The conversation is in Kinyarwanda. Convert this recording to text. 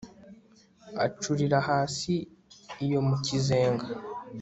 Acurira hasi iyo mu kizenga